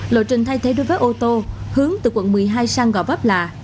lộ trình thay thế đối với ô tô hướng từ quận một mươi hai sang gò vấp là